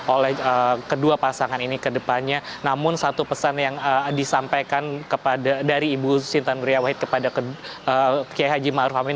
oleh kedua pasangan ini ke depannya namun satu pesan yang disampaikan dari ibu sinta nuria wahid kepada kiai haji ⁇ maruf ⁇ amin